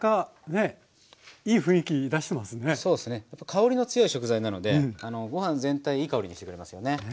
香りの強い食材なのでご飯全体いい香りにしてくれますよね。